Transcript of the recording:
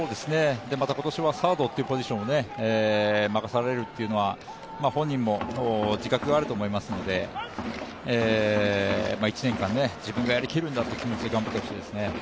また今年はサードというポジションを任されるというのは本人も自覚があると思いますので１年間、自分がやりきるんだという気持ちで頑張ってほしいですね。